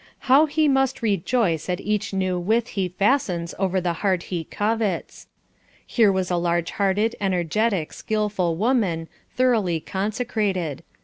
How he must rejoice at each new withe he fastens over the heart he covets. Here was a large hearted, energetic, skilful woman thoroughly consecrated.